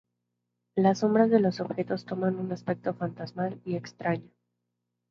Las sombras de los objetos toman un aspecto fantasmal y extraño.